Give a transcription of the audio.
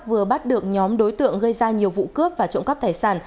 vừa bắt được nhóm đối tượng gây ra nhiều vụ cướp và trộm cắp tài sản